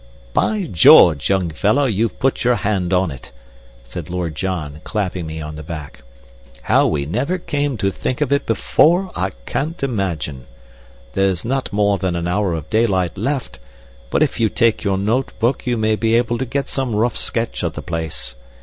"By George, young fellah, you've put your hand on it!" said Lord John, clapping me on the back. "How we never came to think of it before I can't imagine! There's not more than an hour of daylight left, but if you take your notebook you may be able to get some rough sketch of the place.